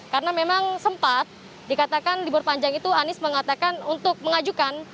karena memang sempat dikatakan libur panjang itu anies mengatakan untuk mengajukan